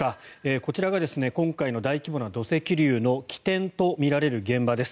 こちらが今回の大規模な土石流の起点とみられる現場です。